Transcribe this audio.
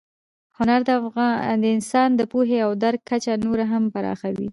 هنر د انسان د پوهې او درک کچه نوره هم پراخوي.